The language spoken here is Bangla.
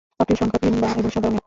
পাপড়ির সংখ্যা তিন এবং সাদা রঙের।